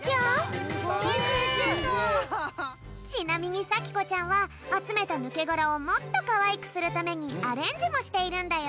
ちなみにさきこちゃんはあつめたぬけがらをもっとかわいくするためにアレンジもしているんだよ。